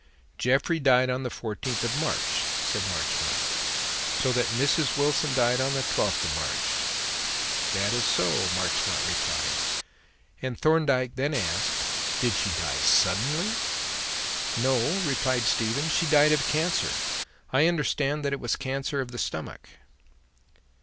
"Jeffrey died on the fourteenth of March," said Marchmont. "So that Mrs. Wilson died on the twelfth of March?" "That is so," Marchmont replied; and Thorndyke then asked: "Did she die suddenly?" "No," replied Stephen; "she died of cancer. I understand that it was cancer of the stomach."